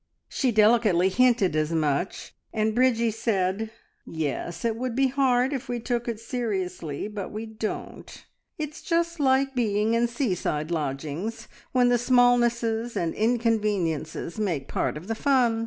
She delicately hinted as much, and Bridgie said "Yes, it would be hard if we took it seriously, but we don't. It's just like being in seaside lodgings, when the smallnesses and inconveniences make part of the fun.